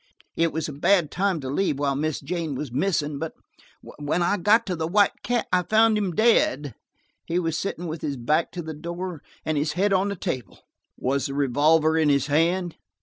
It was a bad time to leave while Miss Jane was missing. But–when I got to the White Cat I found him dead. He was sitting with his back to the door, and his head on the table." "Was the revolver in his hand?"